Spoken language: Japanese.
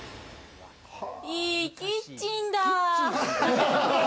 いいキッチンだ。